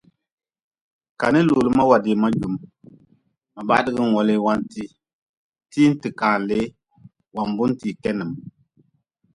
Ka ni looli ma wadii ma jum, ma bahdg-n welee wantee, tii-n te kaan lee wan-buntee kenim.